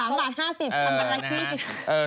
สามบาลาฮี่